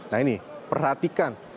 nah ini perhatikan